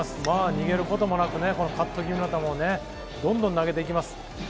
逃げることなく、カットぎみの球をどんどん投げていきます。